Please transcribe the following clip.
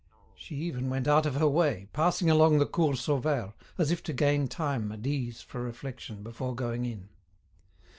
She even went out of her way, passing along the Cours Sauvaire, as if to gain time and ease for reflection before going in.